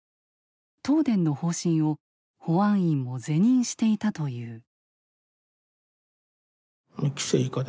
東電の方針を保安院も是認していたという。